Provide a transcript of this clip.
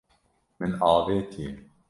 Min avêtiye.